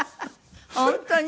本当に？